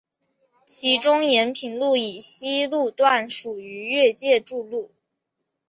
其中延平路以西路段属于越界筑路。